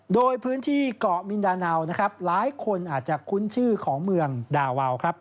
โดยพื้นที่เกาะมินดาเนานะครับหลายคนอาจจะคุ้นชื่อของเมืองดาวาวครับ